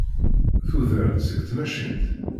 Tuder-d seg tmacint.